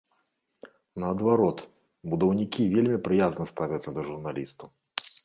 Наадварот, будаўнікі вельмі прыязна ставяцца да журналістаў.